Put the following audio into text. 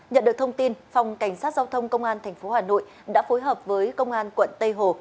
nhận được thông tin phòng cảnh sát giao thông công an tp hà nội đã phối hợp với công an quận tây hồ